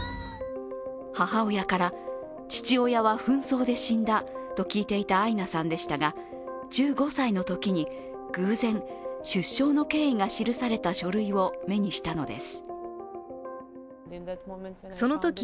母親から、父親は紛争で死んだと聞いていたアイナさんでしたが１５歳のときに偶然出生の経緯が記された書類を目にしたのです。